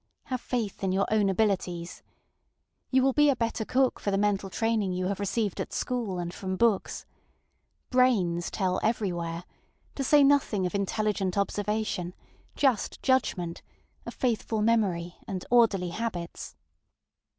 Have faith in your own abilities. You will be a better cook for the mental training you have received at school and from books. Brains tell everywhere, to say nothing of intelligent observation, just judgment, a faithful memory, and orderly habits.